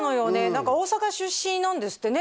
何か大阪出身なんですってね